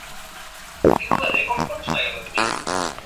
এগুলো রেকর্ড করছ না কেন তুমি?